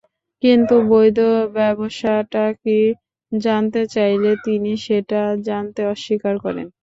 কিন্তু বৈধ ব্যবসাটা কী, জানাতে চাইলে তিনি সেটা জানাতে অস্বীকার করেন।